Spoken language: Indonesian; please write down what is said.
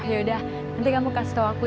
yaudah nanti kamu kasih tau aku ya